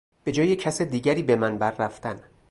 به جای کسی دیگر به منبر رفتن